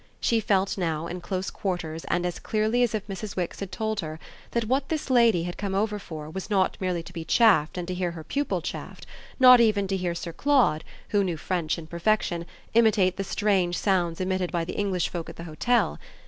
She felt now, in close quarters and as clearly as if Mrs. Wix had told her, that what this lady had come over for was not merely to be chaffed and to hear her pupil chaffed; not even to hear Sir Claude, who knew French in perfection, imitate the strange sounds emitted by the English folk at the hotel.